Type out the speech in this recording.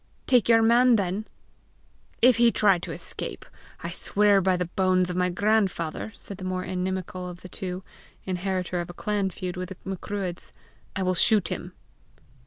"Take your man then!" "If he try to escape, I swear by the bones of my grandfather," said the more inimical of the two, inheritor of a clan feud with the Macruadhs, "I will shoot him."